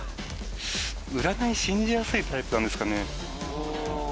占い信じやすいタイプなんですかね